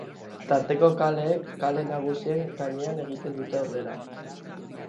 Tarteko kaleek kale nagusien gainean egiten dute aurrera.